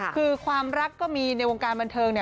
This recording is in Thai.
คือความรักก็มีในวงการบันเทิง